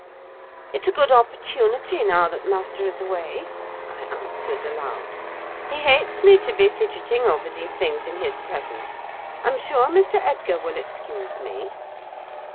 "It's a good opportunity, now that master is away," I answered aloud: "he hates me to be fidgeting over these things in his presence. I'm sure Mr. Edgar will excuse me."